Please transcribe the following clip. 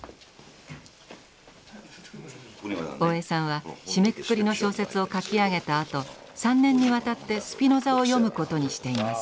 大江さんは締めくくりの小説を書き上げたあと３年にわたってスピノザを読むことにしています。